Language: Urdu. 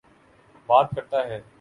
بات کرتا ہے۔